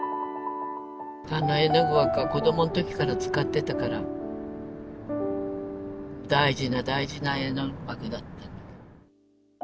あの絵の具箱は子どもの時から使ってたから大事な大事な絵の具箱だったんだけど。